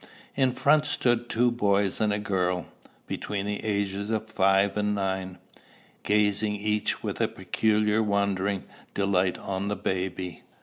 In front stood two boys and a girl, between the ages of five and nine, gazing each with a peculiar wondering delight on the baby.